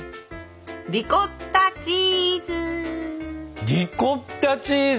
リコッタチーズ！